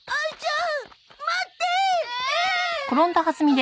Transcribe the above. ん？